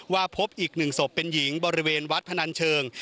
พบอีก๑ศพเป็นหญิงบริเวณวัดพนันเชิง